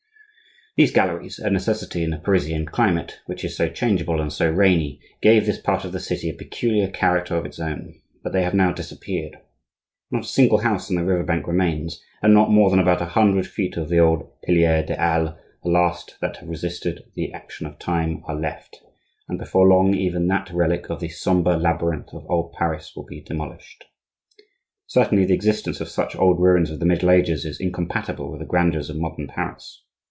These galleries, a necessity in the Parisian climate, which is so changeable and so rainy, gave this part of the city a peculiar character of its own; but they have now disappeared. Not a single house in the river bank remains, and not more than about a hundred feet of the old "piliers des Halles," the last that have resisted the action of time, are left; and before long even that relic of the sombre labyrinth of old Paris will be demolished. Certainly, the existence of such old ruins of the middle ages is incompatible with the grandeurs of modern Paris.